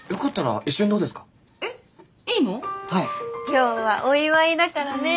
今日はお祝いだからね。